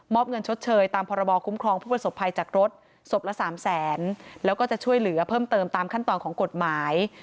อบเงินชดเชยตามพรบคุ้มครองผู้ประสบภัยจากรถศพละสามแสนแล้วก็จะช่วยเหลือเพิ่มเติมตามขั้นตอนของกฎหมาย